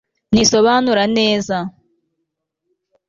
nisobanura neza